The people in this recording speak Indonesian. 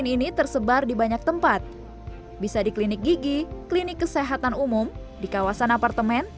ini tersebar di banyak tempat bisa di klinik gigi klinik kesehatan umum di kawasan apartemen